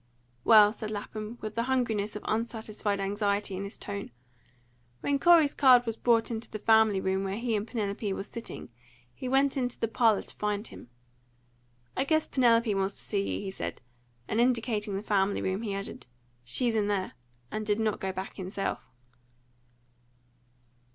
"Well," said Lapham, with the hungriness of unsatisfied anxiety in his tone. When Corey's card was brought into the family room where he and Penelope were sitting, he went into the parlour to find him. "I guess Penelope wants to see you," he said; and, indicating the family room, he added, "She's in there," and did not go back himself.